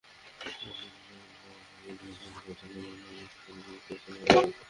সেন সুমনকে আগামী দশদিনের মধ্যে রিমান্ডে নিয়ে জিজ্ঞাসাবাদের নির্দেশ দিয়েছেন আদালত।